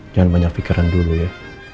jangan banyak pikiran dulu ya